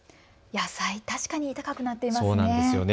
野菜、確かに高くなっていますね。